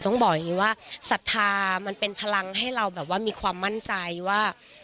ต้องบอกอย่างนี้ว่าศรัทธามันเป็นพลังให้เราแบบว่ามีความมั่นใจว่า